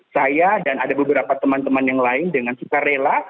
saya dan ada beberapa teman teman yang lain dengan suka rela